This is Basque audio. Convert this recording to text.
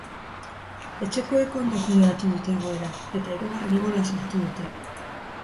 Etxekoek ondo kudeatu dute egoera, eta hirugarren gola sartu dute.